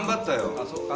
ああそうか。